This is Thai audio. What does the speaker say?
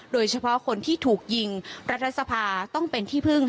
โดยเฉพาะคนที่ถูกยิงรัฐสภาต้องเป็นที่พึ่ง